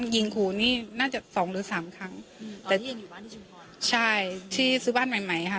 ยิงขู่นี่น่าจะสองหรือสามครั้งอืมแต่ที่ยังอยู่บ้านที่ชุมพรใช่ที่ซื้อบ้านใหม่ใหม่ค่ะ